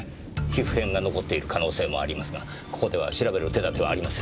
皮膚片が残っている可能性もありますがここでは調べる手立てはありません。